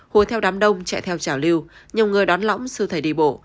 hố theo đám đông chạy theo trào lưu nhiều người đón lõng sư thầy đi bộ